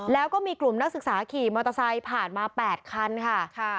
แล้วก็มีกลุ่มนักศึกษาขี่มอเตอร์ไซค์ผ่านมา๘คันค่ะ